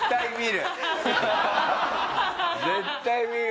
絶対見る。